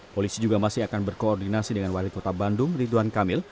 polisi juga masih akan berkoordinasi dengan wali kota bandung ridwan kamil